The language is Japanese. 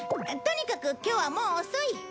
とにかく今日はもう遅い。